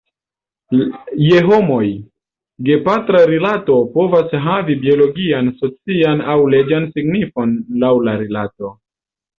Je homoj, gepatra rilato povas havi biologian, socian, aŭ leĝan signifon, laŭ la rilato.